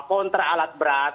kontrak alat berat